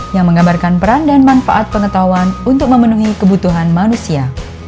yang menggambarkan peran dan manfaat pengetahuan untuk memenuhi kebutuhan manusia